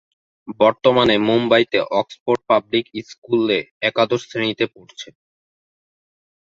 বর্তমানে মুম্বাইতে Oxford public school এ একাদশ শ্রেণীতে পড়ছে।